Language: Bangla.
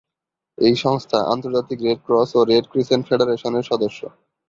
এই সংস্থা আন্তর্জাতিক রেড ক্রস ও রেড ক্রিসেন্ট ফেডারেশনের সদস্য।